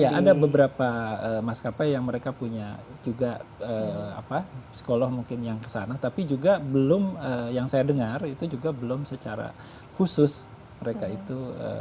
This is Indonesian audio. ya ada beberapa maskapai yang mereka punya juga psikolog mungkin yang kesana tapi juga belum yang saya dengar itu juga belum secara khusus mereka itu